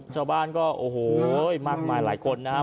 ชาวบ้านก็โอ้โหมากมายหลายคนนะครับ